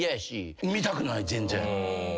見たくない全然。